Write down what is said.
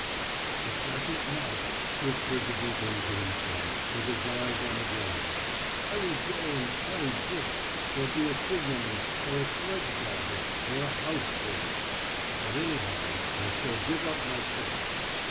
"It doesn't matter," whispered the deacon to himself, with his eyes on the ground. "I will go and carry bricks or be a signalman or a sledge driver or a house porter; but, anyhow, I shall give up my post.